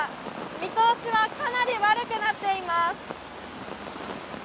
見通しは、かなり悪くなっています